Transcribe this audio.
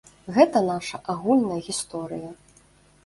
Гэта наша агульная гісторыя.